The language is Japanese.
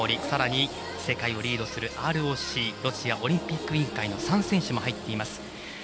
さらに世界をリードするＲＯＣ＝ロシアオリンピック委員会の３選手も入っています。